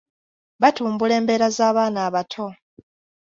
Batumbula embeera z’abaana abato.